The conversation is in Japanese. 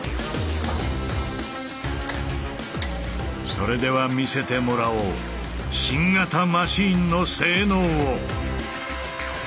それでは見せてもらおう新型マシーンの性能を！